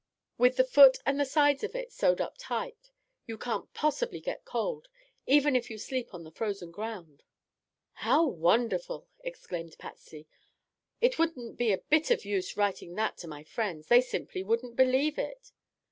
With the foot and the sides of it sewed up tight, you can't possibly get cold, even if you sleep on the frozen ground." "How wonderful!" exclaimed Patsy. "It wouldn't be a bit of use writing that to my friends. They simply wouldn't believe it."